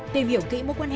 tìm hiểu kỹ mối quan hệ này